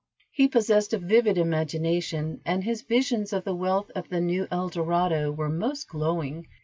He possessed a vivid imagination, and his visions of the wealth of the new Eldorado were most glowing.